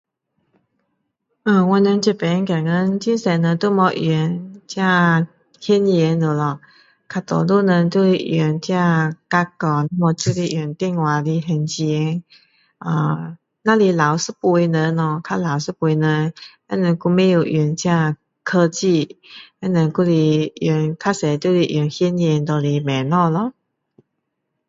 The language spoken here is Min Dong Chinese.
呃我们这边现今很多人都没用这现钱了咯大多数人都是用这卡哦要不就是用电话来还钱啊只有老一辈的人咯较老一辈人他们还不会用这科技他们还是用多数还是用现钱拿来买东西咯